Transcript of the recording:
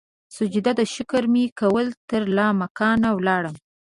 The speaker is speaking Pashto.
سجده د شکر مې کول ترلا مکان ولاړمه